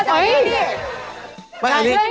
เห้ย